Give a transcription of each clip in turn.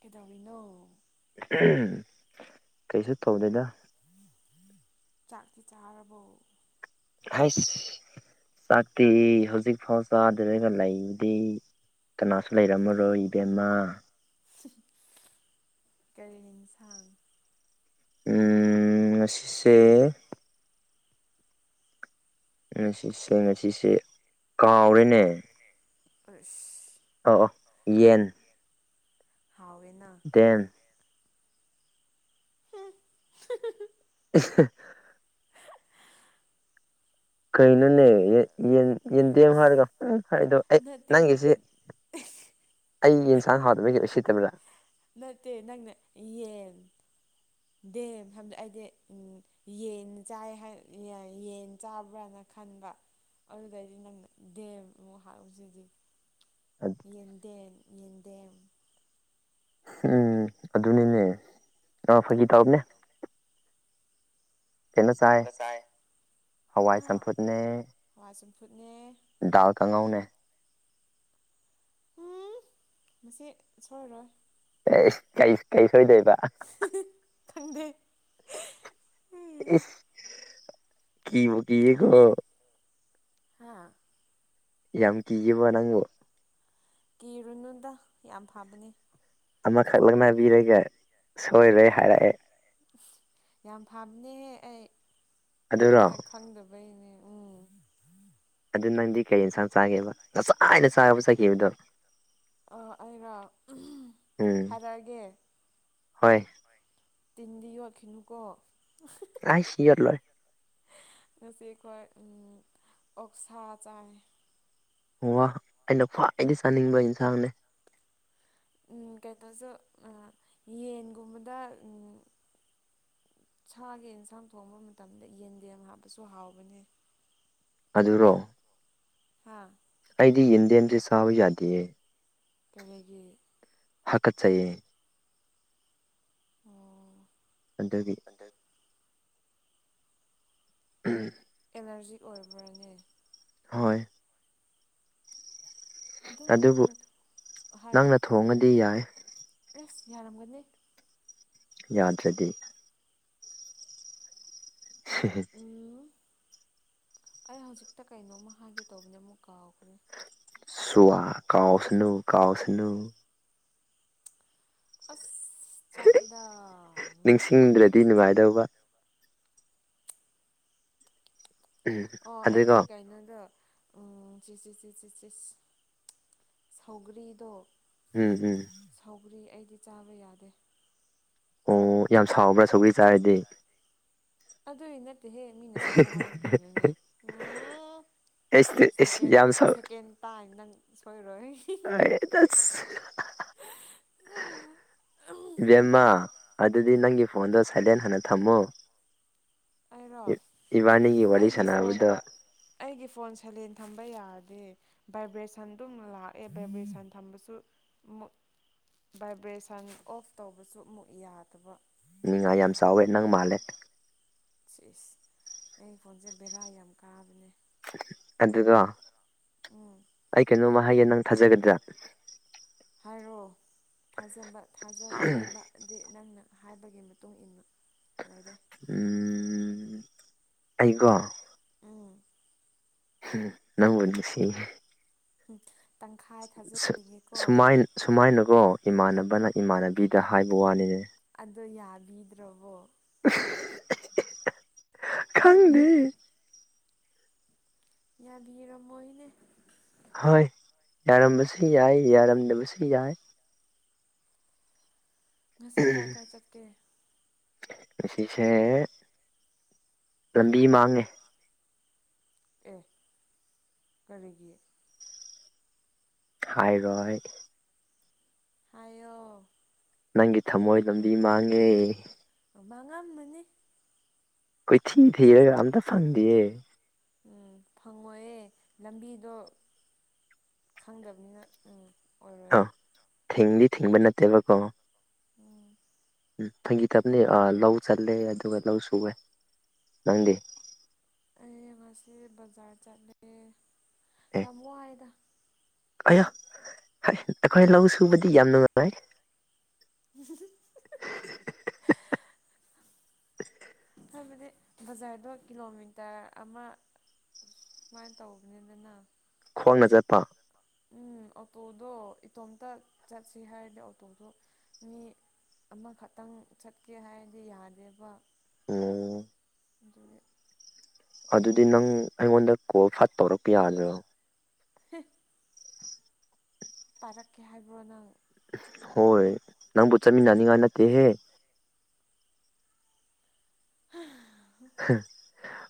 ꯀꯩꯗꯕꯤꯅꯣ ꯀꯩꯁꯨ ꯇꯧꯗꯣꯏꯗ ꯆꯥꯛꯀꯤ ꯆꯔꯕꯣ ꯑꯁ ꯆꯥꯛꯇꯦ ꯍꯧꯖꯤꯛ ꯐꯥꯎ ꯆꯥꯗ꯭ꯔꯒ ꯂꯩꯕꯗꯤ ꯀꯅꯥꯁꯨ ꯂꯩꯔꯝꯃꯔꯣꯏ ꯏꯕꯦꯝꯃ ꯀꯔꯤ ꯌꯦꯟꯁꯥꯡ ꯎꯝ ꯑꯁꯤꯁꯑꯦ ꯉꯁꯤꯁꯦ ꯉꯁꯤꯁꯦ ꯀꯥꯎꯔꯦꯅꯦ ꯑꯁ ꯑ ꯑ ꯌꯦꯟ ꯍꯥꯎꯅꯥ ꯗꯦꯝ [inaudible] [unintelligible] [unintelligible] [inaudible] ꯀꯩꯅꯩꯅꯅꯦ ꯌꯦꯟꯗꯦꯝ ꯍꯥꯏꯔꯒ ꯍꯥꯏꯗꯣ ꯑꯩ ꯅꯠꯇꯦ ꯅꯪꯒꯤꯁꯤ ꯑꯩ ꯌꯦꯟꯁꯥꯡ ꯍꯥꯎꯗꯕꯒꯤ ꯑꯣꯏꯁꯤꯠꯇꯕ꯭ꯔꯥ ꯅꯠꯇꯦ ꯅꯪ ꯌꯦꯟ ꯗꯦ ꯍꯥꯏꯕꯗꯤ ꯑꯩꯗꯤ ꯌꯦꯟ ꯆꯥꯏ ꯌꯦꯟ ꯆꯥꯕ꯭ꯔꯥꯅ ꯈꯟꯕ ꯑꯗꯨꯗꯩꯗꯤ ꯅꯪ ꯗꯦꯝ ꯑꯃꯨꯛ ꯍꯥꯔꯁꯤꯗꯤ ꯌꯦꯗꯦ ꯎꯝ ꯑꯗꯨꯅꯤꯅꯦ ꯉ ꯐꯒꯤ ꯇꯥꯅꯦ ꯐꯅ ꯆꯥꯏ ꯍꯋꯥꯏ ꯍꯥ ꯆꯝꯐꯨꯠꯅꯦ ꯍꯋꯥꯏ ꯆꯝꯐꯨꯠꯅꯦ ꯗꯥꯜ ꯀꯥꯡꯉꯧꯅꯦ ꯎꯝ ꯃꯁꯤꯁ ꯁꯣꯏꯔꯣꯏ ꯑꯦ ꯀꯩꯁ ꯀꯩꯁ ꯍꯣꯏꯗꯕ ꯈꯪꯗꯦ ꯀꯕꯨꯀꯤ ꯌꯦꯀꯣ ꯍꯥꯥ ꯌꯥꯝ ꯀꯤꯕ ꯅꯉꯣ ꯀꯤꯔꯨꯅꯨꯗ ꯌꯥꯝ ꯐꯕꯅꯦ ꯑꯃꯈꯛ ꯂꯧꯪꯅꯕꯤꯔꯒ ꯁꯣꯏꯔꯦ ꯍꯥꯏꯔꯛꯑꯦ ꯌꯥꯝ ꯐꯝꯅꯤꯍꯦ ꯑꯩ ꯑꯗꯨꯔꯣ ꯅꯣꯏ ꯈꯪꯗꯕꯩꯅꯦ ꯎꯝ ꯑꯗꯨ ꯅꯪꯗꯤ ꯀꯔꯤ ꯌꯦꯟꯁꯥꯡ ꯆꯥꯒꯦꯕ ꯉꯆꯥꯥꯏ ꯍꯥꯏꯅ ꯆꯥꯕꯨ ꯆꯠꯈꯤꯕꯗꯣ ꯑ ꯑꯩꯩꯅꯣ ꯎꯝ ꯍꯥꯏꯔꯛꯑꯒꯦ ꯍꯣꯏ ꯇꯤꯟꯗꯤ ꯌꯣ ꯀꯅꯨꯀꯣ ꯑꯁꯤꯔ ꯂꯣꯏ ꯉꯁꯤ ꯑꯩꯈꯣꯏ ꯑꯣꯛꯁꯥ ꯆꯥꯏ ꯋꯥ ꯑꯩꯅ ꯈ꯭ꯋꯥꯏꯗꯒꯤ ꯆꯥꯅꯤꯡꯕ ꯌꯦꯟꯁꯥꯡꯅꯦ ꯀꯩꯇꯧꯁꯨ ꯌꯦꯟꯒꯨꯝꯕꯗꯪꯡ ꯁꯥꯒꯤ ꯑꯦꯟꯁꯥꯡ ꯊꯣꯡꯕ ꯃꯇꯝꯗ ꯌꯦꯟꯗꯦꯝ ꯍꯥꯞꯄꯁꯨ ꯍꯥꯎꯕꯅꯦ ꯑꯗꯨꯔꯣ ꯍꯥꯥ ꯌꯦꯟꯦꯟ ꯔꯤ ꯆꯕ ꯌꯥꯗꯦ ꯀꯔꯒꯤ ꯍꯥꯀꯠ ꯆꯌꯦ ꯑꯣꯝ ꯀꯟꯗꯒꯤ ꯎꯝ ꯑꯦꯂꯔꯖꯤꯛ ꯑꯣꯏꯕ꯭ꯔꯅꯦ ꯍꯣꯏ ꯑꯗꯨꯝ ꯑꯗꯨꯕꯨ ꯎꯝ ꯍꯥꯏꯔꯣ ꯅꯪꯅ ꯊꯣꯡꯉꯗꯤ ꯌꯥꯏ ꯑꯦꯁ ꯌꯥꯔꯝꯒꯅꯤ ꯌꯥꯗ꯭ꯔꯗꯤ ꯁꯤ ꯎꯝ ꯑꯩ ꯍꯧꯖꯤꯛꯇ ꯀꯩꯅꯣꯃ ꯍꯥꯏꯒꯦ ꯇꯧꯕꯅꯦ ꯑꯃꯨꯛ ꯀꯥꯎꯈ꯭ꯔꯦ ꯁꯨꯋꯥ ꯀꯥꯎꯁꯅꯨ ꯀꯥꯎꯁꯅꯨ ꯑꯁ ꯆꯥꯛꯑꯦꯗ ꯅꯤꯡꯁꯤꯡꯗ꯭ꯔꯗꯤ ꯅꯨꯡꯉꯥꯏꯗꯧꯕ ꯎꯝ ꯑꯣ ꯑꯗꯨꯒ ꯑꯩꯗꯤ ꯀꯩꯅꯣꯗꯣ ꯁꯧꯒ꯭ꯔꯤꯗꯣ ꯎꯝ ꯎꯝ ꯄꯨꯔꯤ ꯑꯩꯗꯤ ꯆꯥꯕ ꯌꯥꯗꯦ ꯑꯣ ꯌꯥꯝ ꯁꯥꯎꯕ꯭ꯔꯥ ꯁꯨꯒꯔꯤꯆꯥꯥꯔꯗꯤ ꯑꯗꯨꯏ ꯅꯠꯇꯦꯍꯦ ꯃꯤꯅ ꯁꯦꯝꯕ ꯍꯥꯏꯔꯁꯨ ꯀꯩꯅꯣꯅꯦ ꯎꯝ ꯑꯩꯁ ꯑꯩꯁ ꯁꯦꯀꯦꯟ ꯌꯥꯝ ꯁꯥꯎ ꯁꯦꯀꯦꯟ ꯇꯥꯏꯅ ꯅꯪ ꯁꯣꯏꯔꯣꯏ ꯑꯁ ꯑꯣ ꯏꯕꯦꯝꯃ ꯑꯗꯨꯗꯤ ꯅꯪꯒꯤ ꯐꯣꯟꯗꯣ ꯁꯥꯏꯂꯦꯟ ꯍꯥꯟꯅ ꯊꯝꯃꯨ ꯍꯥꯏꯔꯣ ꯋꯥꯔꯤ ꯑꯩꯒꯤ ꯁꯥꯟꯅꯕꯗ ꯑꯩꯒꯤ ꯐꯣꯟ ꯁꯂꯦꯟ ꯊꯝꯕ ꯌꯥꯔꯗꯤꯦ ꯚꯥꯏꯕ꯭ꯔꯦꯁꯟꯗꯨ ꯂꯥꯛꯑꯦ ꯚꯥꯏꯕ꯭ꯔꯦꯁꯟ ꯊꯝꯕꯁꯨ ꯚꯥꯏꯕ꯭ꯔꯦꯁꯟ ꯑꯣꯐ ꯇꯧꯕꯁꯨ ꯑꯃꯨꯛ ꯌꯥꯗꯕ ꯅꯤꯡꯉꯥ ꯌꯥꯝ ꯆꯥꯎꯋꯦ ꯅꯪ ꯃꯥꯜꯂꯦ ꯆꯁ ꯑꯩ ꯐꯣꯟꯁꯦ ꯕꯦꯔꯥ ꯌꯥꯝ ꯀꯥꯕꯅꯦ ꯑꯗꯨꯗꯣ ꯎꯝ ꯑꯩ ꯀꯩꯅꯣꯃ ꯍꯥꯏꯌꯦ ꯅꯪ ꯊꯥꯖꯒꯗ꯭ꯔ ꯍꯥꯏꯔꯣ ꯊꯥꯖꯕ ꯊꯥꯖꯗꯕꯗꯤ ꯅꯪꯅ ꯍꯥꯏꯕꯒꯤ ꯃꯇꯨꯡ ꯏꯟꯅ ꯂꯩꯔꯦ ꯎꯝ ꯑꯩꯀꯣ ꯎꯝ ꯅꯪꯗ ꯁꯤ ꯎꯝ ꯁ ꯁꯨꯃꯥꯏꯅꯀꯣ ꯏꯃꯥꯟꯅꯕꯅ ꯏꯃꯥꯟꯅꯕꯤꯗ ꯍꯥꯏꯕ ꯋꯥꯅꯤꯅꯦ ꯑꯗꯣ ꯌꯥꯕꯤꯗ꯭ꯔꯕꯣ ꯈꯪꯗꯦ ꯌꯥꯕꯤꯔꯝꯃꯣꯅꯦ ꯍꯣꯏ ꯌꯥꯔꯝꯕꯁꯨ ꯌꯥꯏ ꯌꯥꯔꯝꯗꯕꯁꯨ ꯌꯥꯏ ꯉꯁꯤ ꯀꯥ ꯀꯥꯏ ꯆꯠꯀꯦ ꯉꯁꯦ ꯂꯝꯕꯤ ꯃꯥꯡꯉꯦ ꯑꯦ ꯀꯔꯤꯒꯤ ꯍꯥꯏꯔꯣꯏ ꯍꯥꯏꯌꯣ ꯅꯪꯒꯤ ꯊꯝꯃꯣꯏ ꯂꯝꯕꯤ ꯃꯥꯡꯉꯦ ꯉꯥꯟ ꯃꯅꯦ ꯀꯣꯏꯊꯤ ꯊꯤꯔꯒ ꯑꯝꯇ ꯐꯪꯗꯦꯌꯦ ꯎꯝ ꯐꯪꯉꯣꯏꯌꯦꯦ ꯂꯝꯕꯤꯗꯣ ꯈꯪꯗꯕꯅꯤꯅ ꯎꯝ ꯑꯣꯏꯔꯣꯏꯌꯦ ꯑꯥ ꯊꯤꯡꯗꯤ ꯊꯤꯡꯕ ꯅꯠꯇꯦꯕꯀꯣ ꯎꯝ ꯎꯝ ꯐꯪꯈꯤꯗꯕꯅꯤ ꯂꯧ ꯆꯜꯂꯦ ꯑꯗꯨꯒ ꯂꯧ ꯁꯨꯋꯦ ꯅꯪꯗꯤ ꯑꯩ ꯉꯁꯤ ꯕꯖꯥꯔ ꯆꯠꯂꯦ ꯌꯥꯝ ꯋꯥꯏꯗ ꯑꯌꯣ ꯑꯩꯈꯣꯏ ꯂꯧ ꯁꯨꯕꯗꯤ ꯌꯥꯝ ꯅꯨꯡꯉꯉꯥꯏ [unintelligible] ꯍꯥꯏꯕꯗꯤ ꯕꯖꯥꯔꯗꯣ ꯀꯤꯂꯣꯃꯤꯇꯔ ꯑꯃ ꯁꯃꯥꯏꯅ ꯇꯧꯒꯅꯤꯗꯅ ꯐꯣꯡꯅ ꯆꯠꯄ ꯎꯝ ꯑꯣꯇꯣꯗꯣ ꯏꯇꯣꯝꯇ ꯆꯠꯁꯤ ꯍꯥꯏꯔꯗꯤ ꯑꯣꯇꯣꯗꯣ ꯃꯤ ꯑꯃꯈꯛꯇꯪ ꯆꯠꯀꯦ ꯍꯥꯏꯔꯗꯤ ꯌꯥꯗꯦꯕ ꯑꯝ ꯑꯗꯨ ꯑꯗꯨꯗꯤ ꯅꯪ ꯑꯩꯉꯣꯟꯗ ꯀꯣꯜ ꯐꯠ ꯇꯧꯔꯛꯄ ꯌꯥꯗ꯭ꯔꯣ [inaudible] ꯄꯥꯔꯛꯀꯦ ꯍꯥꯏꯕ꯭ꯔꯣ ꯅꯪ ꯍꯣꯏ ꯅꯪꯕꯨ ꯆꯠꯃꯤꯟꯅꯅꯤꯉꯥꯏ ꯅꯠꯇꯦꯍꯦ ꯍꯝ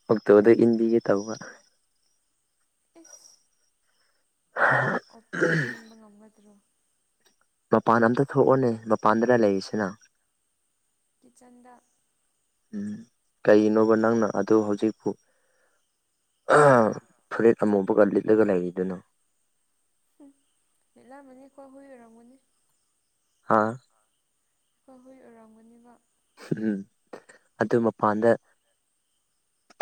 ꯑꯣꯛꯇꯣꯗ ꯏꯟꯗꯤꯒꯦ ꯇꯧꯕ ꯏꯁ ꯑꯣꯇꯣ ꯏꯟꯕ ꯉꯝꯒꯗ꯭ꯔꯣ ꯃꯄꯥꯟ ꯑꯝꯇ ꯊꯣꯛꯑꯣꯅꯦ ꯃꯄꯥꯟꯗꯅ ꯂꯩꯔꯤꯁꯤꯅ ꯀꯤꯆꯟꯗ ꯎꯝ ꯀꯩꯅꯣꯕ ꯅꯪꯅ ꯑꯗꯨ ꯍꯧꯖꯤꯛꯄꯨ ꯐꯨꯔꯤꯦꯠ ꯑꯃꯨꯕꯒ ꯂꯤꯠꯂꯒ ꯂꯩꯔꯤꯗꯨꯅ ꯎ ꯂꯂꯥ ꯃꯅꯤꯀꯋꯥ ꯍꯔꯔꯃꯅꯦ ꯍꯥꯥ ꯍꯣꯏ ꯍꯣꯏ ꯑꯔꯥꯡꯝꯒꯅꯦꯕ ꯎꯝ ꯑꯗꯨ ꯃꯄꯥꯟꯗ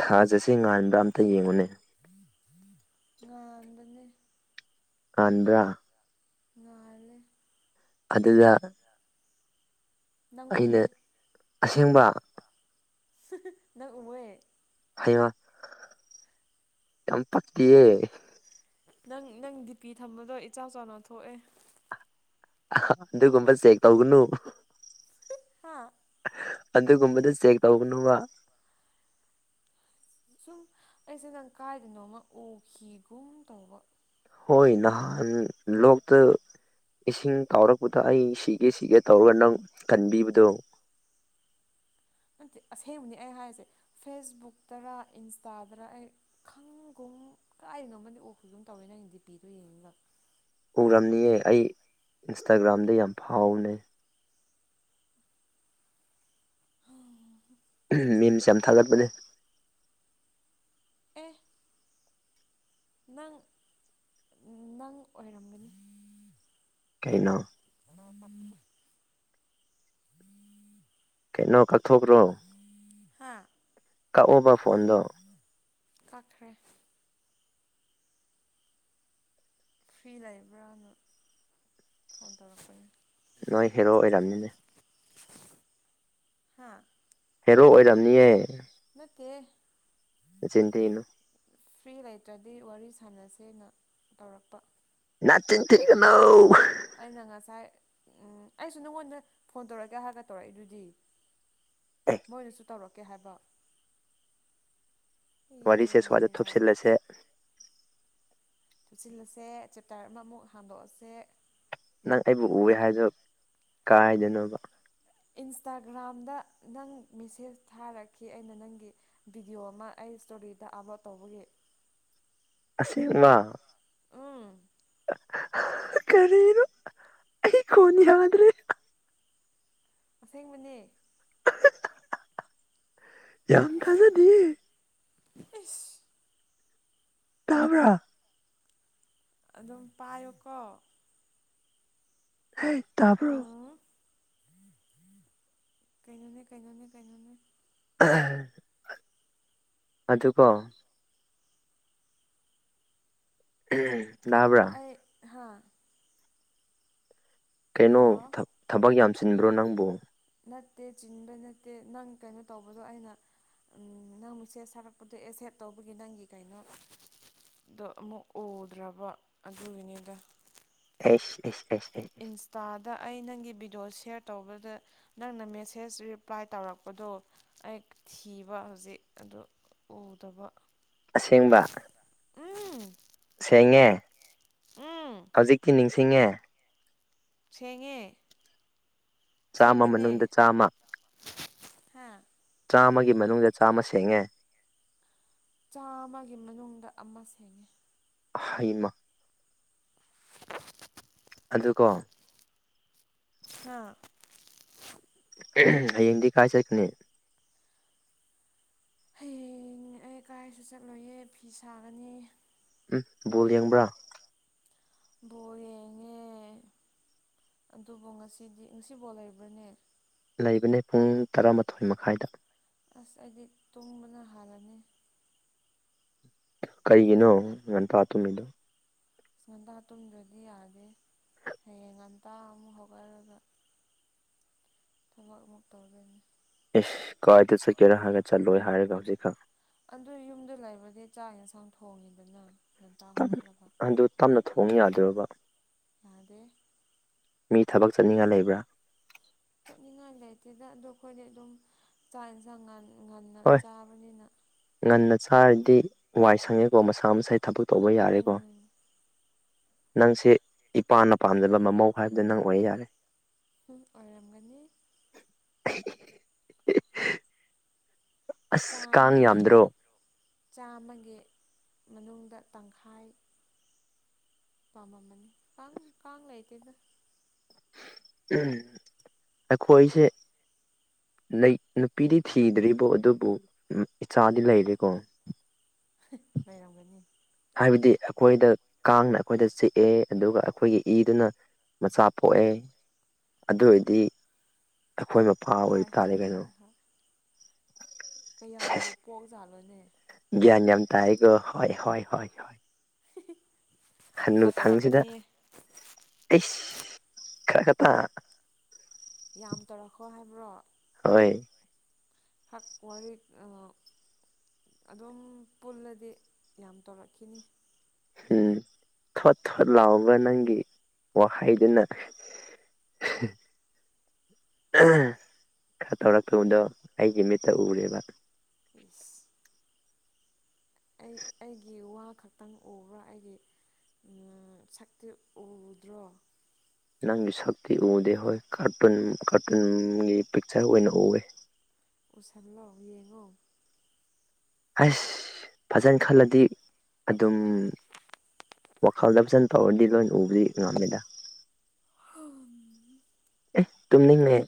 ꯊꯥꯖꯁꯦ ꯉꯥꯟꯕ꯭ꯔꯥ ꯑꯝꯇ ꯌꯦꯡꯉꯨꯅꯦ ꯉ ꯑꯗꯅꯤ ꯀꯟꯗ꯭ꯔꯥ ꯉꯂꯦ ꯑꯗꯨꯗꯅ ꯅꯪ ꯎꯦ ꯑꯁꯦꯡꯕ ꯅꯪ ꯎꯃꯣꯏꯦ ꯍꯥꯏꯌꯦꯡ ꯌꯥꯝ ꯄꯛꯇꯤꯌꯦ ꯅꯪ ꯅꯪ ꯗꯤꯄꯤ ꯊꯝꯕꯗꯣ ꯏꯆꯥꯎ ꯆꯥꯎꯅ ꯊꯣꯛꯑꯦ ꯝꯕꯜ ꯁꯦꯦꯛ ꯇꯎꯒꯅ ꯍꯥ ꯑꯗꯨꯒꯨꯝꯕꯗ ꯆꯦꯛ ꯇꯧꯒꯅꯨꯕ ꯁꯨꯝ ꯑꯩꯁꯨꯦ ꯅꯪ ꯀꯥꯏꯗꯅꯣꯃ ꯎꯈꯤꯒꯨꯝ ꯇꯧꯕ ꯍꯣꯏ ꯅꯍꯥꯟ ꯂꯣꯛꯇ ꯏꯁꯤꯡ ꯇꯥꯎꯔꯛꯄꯗ ꯑꯩ ꯁꯤꯒꯦ ꯁꯤꯒꯦ ꯇꯧꯔꯒ ꯅꯪ ꯀꯟꯕꯤꯕꯗꯣ [inaudible] ꯅꯠꯇꯦ ꯑꯁꯦꯡꯕꯅꯤ ꯑꯩ ꯍꯥꯏꯔꯤꯁꯦ ꯐꯦꯁꯕꯨꯛꯇꯔ ꯏꯟꯁꯇꯥꯗꯔ ꯑꯩ ꯈꯪꯨꯝ ꯀꯥꯏꯗꯅꯣꯃꯗꯤ ꯑꯣꯛꯁꯨꯒ ꯑꯗꯨꯝ ꯇꯧꯋꯤ ꯅꯪꯒꯤꯗꯤ ꯄꯤꯗꯣ ꯌꯦꯡꯉꯤꯕ ꯎꯔꯝꯅꯤꯑꯦ ꯑꯩ ꯏꯟꯁꯇꯥꯒ꯭ꯔꯥꯝꯗ ꯌꯥꯝ ꯐꯥꯎꯅꯩ ꯃꯤꯝꯁꯦ ꯌꯥꯝ ꯊꯥꯒꯠꯄꯅꯦ ꯑꯦ ꯅꯪ ꯅꯪ ꯑꯣꯏꯔꯝꯒꯅꯤ ꯀꯥꯏꯩꯅ ꯎꯝ ꯀꯩꯅꯣ ꯀꯛꯊꯣꯛꯈ꯭ꯔꯣ ꯍꯥ ꯀꯛꯎꯕ ꯐꯣꯟꯗꯣ ꯀꯈ꯭ꯔꯦ ꯐ꯭ꯔꯤ ꯂꯩꯕ꯭ꯔꯅ ꯐꯣꯟ ꯇꯧꯔꯛꯄꯅꯦ ꯅꯣꯏ ꯍꯦꯔꯣ ꯑꯣꯏꯔꯝꯅꯤꯅꯦ ꯍꯥꯥ ꯔꯣ ꯑꯣꯏꯔꯝꯅꯤ ꯅꯠꯇꯦ ꯆꯤꯟꯇ ꯏꯩꯅꯨ ꯐ꯭ꯔꯤ ꯂꯩꯇ꯭ꯔꯗꯤ ꯋꯥꯔꯤ ꯁꯥꯟꯅꯁꯦꯅ ꯇꯧꯔꯛꯄ ꯅꯅꯥ ꯆ ꯊ ꯀꯧ ꯎꯝ ꯑꯩꯁꯨ ꯅꯪꯉꯣꯟꯗ ꯐꯣꯟ ꯇꯧꯔꯛꯀꯦꯍꯔꯀ ꯇꯧꯔꯛꯏꯗꯨꯗꯤ ꯑꯦ ꯃꯣꯏꯅꯁꯨ ꯇꯧꯔꯛꯀꯦ ꯍꯥꯏꯕ ꯋꯥꯔꯤꯁꯦ ꯁ ꯋꯥꯗ ꯍꯦꯔꯥ ꯊꯨꯞꯁꯤꯜꯂꯁꯦ ꯊꯨꯞꯆꯤꯜꯂꯁꯦ ꯆꯦꯞꯇꯔ ꯑꯃꯃꯨꯛ ꯍꯥꯡꯗꯣꯛꯑꯁꯦ ꯅꯪ ꯑꯩꯕꯨ ꯎꯑꯦ ꯍꯥꯏꯗꯣ ꯀꯥꯏꯗꯣꯏꯅꯣꯕ ꯏꯟꯁꯇꯥꯒ꯭ꯔꯥꯝꯗ ꯅꯪ ꯃꯦꯁꯦꯁ ꯊꯥꯔꯛꯈꯤ ꯑꯩꯅ ꯅꯪꯒꯤ ꯕꯤꯗꯤꯑꯣ ꯑꯃ ꯑꯩ ꯔꯤꯗ ꯑꯕ ꯇꯧꯕꯒꯤ ꯑꯁꯤꯁꯦꯡꯃ ꯎꯝ ꯀꯔꯔ ꯏ ꯀꯣꯟꯅꯤ ꯍꯥꯏ꯭ꯔꯦ ꯑꯁꯦꯡꯕꯅꯦ ꯌꯥꯪ ꯊꯖꯦꯗꯤ ꯑꯁ ꯇ ꯑꯃ꯭ꯔ ꯑꯗꯨꯝ ꯄꯥꯏꯌꯨꯀꯣ ꯍ ꯇꯄ ꯀꯩꯅꯩꯅꯅꯦ ꯀꯩꯅꯣꯅꯦ ꯀꯩꯅꯣꯅꯦ ꯎ ꯑꯗꯨꯒꯣ ꯎꯝ ꯑ ꯍꯥꯥ ꯀꯩꯅꯣ ꯂꯥꯛꯑꯣ ꯊꯕꯛ ꯌꯥꯝꯁꯤꯟꯕ꯭ꯔꯣ ꯅꯪꯕꯨ ꯅꯠꯇꯦ ꯆꯤꯟꯕ ꯅꯠꯇꯦ ꯅꯪ ꯀꯩꯅꯣ ꯇꯧꯕꯗꯣ ꯑꯩꯅ ꯅꯪ ꯃꯁꯦꯠ ꯁꯥꯔꯛꯄꯗꯣ ꯑꯦꯁꯦꯠ ꯇꯧꯕꯒꯤ ꯅꯪꯒꯤ ꯀꯩꯅꯣ ꯗ ꯑꯃꯨꯛ ꯎꯗ꯭ꯔꯕ ꯑꯗꯨꯒꯤꯅꯤꯗ ꯑꯦꯁ ꯑꯦꯁ ꯑꯦꯁ ꯑꯦ ꯑ ꯗ ꯑꯩ ꯅꯪꯒꯤ ꯕꯤꯤꯗꯤꯑꯣ ꯁꯌꯔ ꯇꯧꯕꯗ ꯅꯪꯅ ꯃꯦꯁꯦꯁ ꯔꯤꯄ꯭ꯂꯥꯏ ꯇꯧꯔꯛꯄꯗꯣ ꯑꯩ ꯊꯤꯕ ꯍꯧꯖꯤꯛ ꯑꯗꯨ ꯎꯗꯕ ꯑꯁꯦꯡꯕ ꯎꯝ ꯁꯦꯡꯉꯦ ꯎꯝ ꯍꯧꯖꯤꯛꯇꯤ ꯅꯤꯡꯁꯤꯡꯉꯦ ꯊꯦꯡꯉꯦ ꯆꯥꯝꯃ ꯃꯅꯨꯡꯗ ꯆꯥꯝꯃ ꯍꯥꯥ ꯆꯥꯝꯃ ꯃꯅꯨꯡꯗ ꯆꯥꯝꯃ ꯁꯦꯡꯉꯦ ꯆꯥꯃ ꯃꯅꯨꯡꯗ ꯑꯃ ꯁꯦꯡꯉꯤ ꯍꯩꯃ [inaudible] ꯑꯗꯨꯀꯣ ꯑꯥ ꯍꯌꯦꯡꯗꯤ ꯀꯥꯏ ꯆꯠꯀꯅꯦ ꯍꯌꯦꯡ ꯑꯩ ꯀꯥꯏꯁꯨ ꯆꯠꯂꯨꯌꯦꯦ ꯐꯤ ꯁꯥꯒꯅꯤ ꯎꯝ ꯕꯣꯜ ꯌꯦꯡꯕ꯭ꯔꯥ ꯦꯉꯦ ꯑꯗꯨꯕꯨ ꯉꯁꯤꯗꯤ ꯉꯁꯤꯐꯧ ꯂꯩꯕ꯭ꯔꯅꯦ ꯂꯩꯕꯅꯦ ꯄꯨꯡ ꯇꯔꯥꯃꯥꯊꯣꯏ ꯃꯈꯥꯏꯗ ꯑꯁ ꯑꯩꯗꯤ ꯇꯣꯡꯕꯅ ꯍꯥꯜꯂꯅꯤ ꯀꯩꯒꯤꯅꯣ ꯉꯟ ꯇ ꯇꯨꯝꯃꯤꯗꯨꯣ ꯑ ꯉꯟꯇꯥ ꯇꯨꯝꯗ꯭ꯔꯗꯤ ꯌꯥꯗꯦ ꯍꯌꯦꯡ ꯉꯟꯇꯥ ꯑꯃꯨꯛ ꯍꯧꯒꯠꯂꯒ ꯊꯃꯛ ꯎꯃꯨ ꯇꯧꯒꯅꯤ ꯑꯦꯁ ꯀꯥꯏꯗ ꯆꯠꯀꯦꯔꯥ ꯍꯥꯏꯔꯒ ꯆꯠꯂꯣꯏ ꯍꯥꯏꯔꯒ ꯍꯧꯖꯤꯛꯀ ꯑꯗꯨ ꯌꯨꯝꯗ ꯂꯩꯕꯗꯤ ꯆꯥꯛ ꯌꯦꯟꯁꯥꯡ ꯊꯣꯡꯉꯤꯗꯅ ꯉꯟꯇꯥ ꯍꯧꯒꯠꯂꯒ ꯑꯗꯨ ꯇꯞꯅ ꯊꯣꯡ ꯌꯥꯗꯣꯏꯕ ꯌꯥꯗꯦ ꯃꯤ ꯊꯕꯛ ꯆꯠꯅꯤꯡꯉ ꯂꯩꯕ꯭ꯔꯥ ꯆꯠꯅꯤꯡꯉꯥꯏ ꯂꯩꯇꯦꯗ ꯑꯗꯣ ꯑꯩꯈꯣꯏꯗꯤ ꯑꯗꯨꯝ ꯆꯥꯛ ꯌꯦꯟꯁꯥꯡ ꯉꯥꯟ ꯉꯟꯅ ꯆꯥꯕꯅꯤꯅ ꯁꯥꯔꯗꯤ ꯋꯥꯏ ꯁꯪꯉꯦꯀꯣ ꯃꯁꯥ ꯃꯁꯥ ꯊꯕꯛ ꯇꯧꯕ ꯌꯥꯔꯦꯀꯣ ꯎꯝ ꯅꯪꯁꯦ ꯏꯄꯥꯅ ꯄꯥꯝꯖꯕ ꯃꯃꯧ ꯍꯥꯏꯕꯗꯤ ꯅꯪ ꯑꯣꯏ ꯌꯥꯔꯦ ꯑꯣꯏꯜꯔꯝꯒꯅꯤ [unintelligible] ꯑꯁ ꯀꯥꯡ ꯆꯥꯝꯃꯒꯤ ꯌꯥꯝꯗ꯭ꯔꯣ ꯆꯥꯝꯃꯒꯤ ꯃꯅꯨꯡꯗ ꯇꯪꯈꯥꯏ ꯃꯥꯃ ꯃꯅꯤ ꯀꯪ ꯀꯉꯥꯏꯇꯗꯥ ꯑꯈꯣꯏꯁꯦ ꯂꯩ ꯅꯨꯄꯤꯗꯤ ꯊꯤꯗ꯭ꯔꯤꯕꯣ ꯑꯗꯨꯕꯨ ꯏꯆꯥꯗꯤ ꯂꯩꯔꯦꯀꯣ ꯂꯩꯔꯝꯒꯅꯤ ꯍꯥꯏꯕꯗꯤ ꯑꯩꯈꯣꯏꯗ ꯀꯥꯡꯅ ꯑꯩꯈꯣꯏꯗ ꯆꯤꯛꯑꯦ ꯑꯗꯨꯒ ꯑꯩꯈꯣꯏꯒꯤ ꯏꯗꯨꯅ ꯃꯆꯥ ꯄꯣꯛꯑꯦ ꯑꯗꯨ ꯑꯣꯏꯔꯗꯤ ꯑꯩꯈꯣꯏ ꯃꯄꯥ ꯍꯣꯏ ꯑꯣꯏꯕ ꯇꯥꯔꯦ ꯍꯣꯏ ꯀꯩꯅꯣ ꯀꯌꯥꯕꯨꯧ ꯄꯣꯛ ꯥꯠꯂꯣꯅꯦ ꯭ꯌꯥꯟ ꯌꯥꯝꯝ ꯇꯒꯣ ꯍꯣꯏ ꯍꯣꯏ ꯍ ꯍ [inaudible] ꯍꯟꯅꯨ ꯈꯔ ꯊꯪꯁꯤꯗ ꯇꯧꯔꯛꯀꯅꯤ ꯑꯩꯁ ꯈꯔ ꯈ ꯇ ꯌꯥꯝ ꯇꯧꯔꯛꯈꯣ ꯍꯥꯏꯕ꯭ꯔꯣ ꯍꯣꯏ ꯍꯥꯛ ꯀ ꯄꯨꯋꯥꯔ ꯑꯗꯨꯝ ꯄꯨꯜꯂꯗꯤ ꯌꯥꯝ ꯇꯧꯔꯛꯈꯤꯅꯤ ꯎꯝ ꯊꯣꯠ ꯊꯣꯠ ꯂꯥꯎꯒ ꯅꯪꯒꯤ ꯋꯥꯍꯩꯗꯨꯅ [inaudible] ꯈꯔ ꯇꯧꯔꯛꯇꯕꯗꯣ ꯑꯩꯒꯤ ꯃꯤꯠꯇ ꯎꯔꯦꯕ ꯏꯁꯁ ꯑꯩ ꯑꯩꯒꯤ ꯋꯥ ꯈꯛꯇꯪ ꯎꯕ꯭ꯔꯥ ꯑꯩꯒꯤ ꯁꯛꯇꯤ ꯎꯗ꯭ꯔꯣ ꯅꯪꯒꯤ ꯁꯛꯇꯤ ꯎꯗꯦ ꯍꯣꯏ ꯀꯥꯔꯇꯨꯟ ꯀꯥꯔꯇꯨꯟꯒꯤ ꯄꯤꯛꯆꯔ ꯑꯣꯏꯅ ꯎꯋꯦ ꯎꯁꯟꯂꯣꯑꯣ ꯌꯦꯡꯉꯣ ꯑꯁ ꯐꯖꯅ ꯈꯜꯂꯗꯤ ꯑꯗꯨꯝ ꯋꯥꯈꯜꯗ ꯐꯖꯅ ꯇꯧꯔꯗꯤ ꯂꯣꯏꯅ ꯎꯕꯗꯤ ꯉꯝꯃꯤꯗ ꯑꯦ ꯇꯨꯝꯅꯤꯡꯉ